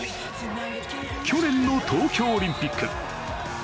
去年の東京オリンピック。